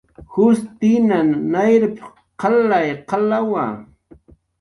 " jushtinan nayrp"" qalay qalawa"